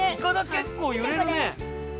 けっこうゆれるね。